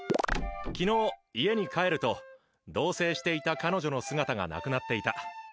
「昨日、家に帰ると、同棲していた彼女の姿がなくなっていた。